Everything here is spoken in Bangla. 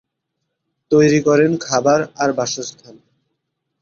তৈরি করেন খাবার আর বাসস্থান।